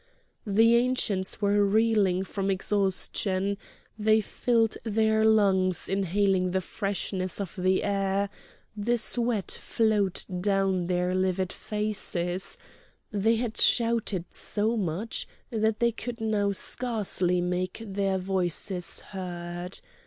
The Ancients were reeling from exhaustion; they filled their lungs inhaling the freshness of the air; the sweat flowed down their livid faces; they had shouted so much that they could now scarcely make their voices heard.